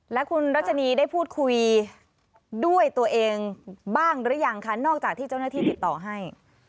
และคุณรัชนีได้พูดคุยด้วยตัวเองบ้างหรือยังคะนอกจากที่เจ้าหน้าที่ติดต่อให้